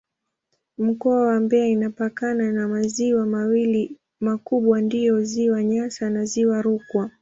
Mkoa wa Mbeya inapakana na maziwa mawili makubwa ndiyo Ziwa Nyasa na Ziwa Rukwa.